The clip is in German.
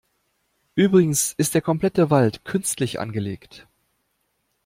Übrigens ist der komplette Wald künstlich angelegt.